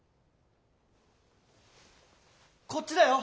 ・こっちだよ。